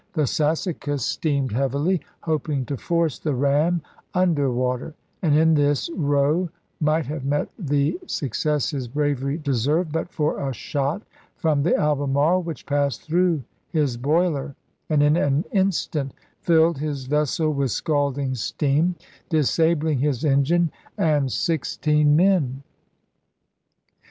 The Sassacus steamed heavily, hoping to force the ram under water; and in this Roe might have met the suc cess his bravery deserved, but for a shot from the Albemarle which passed through his boiler, and in an instant filled his vessel with scalding steam, disabling his engine and sixteen men.